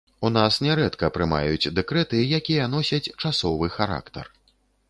У нас нярэдка прымаюць дэкрэты, якія носяць часовы характар.